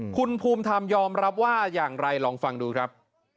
คุณภูมิธรรมยอมรับว่าอย่างไรลองฟังดูครับ